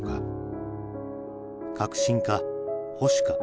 革新か保守か。